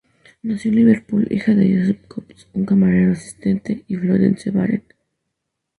Nació en Liverpool, hija única de Joseph Cox, un camarero asistente, y Florence Barrett.